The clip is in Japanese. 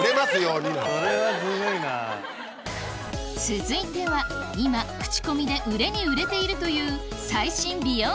続いては今口コミで売れに売れているという最新美容家電